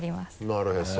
なるへそ。